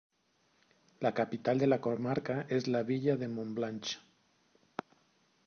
La capital de la comarca es la villa de Montblanch.